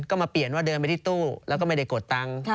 ก็มาเปลี่ยนว่าเดินไปที่ตู้แล้วก็ไม่ได้กดตังค์